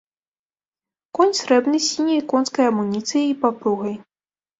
Конь срэбны з сіняй конскай амуніцыяй і папругай.